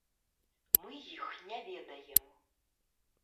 Мы іх не ведаем.